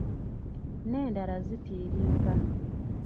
N’endala zitiiriika.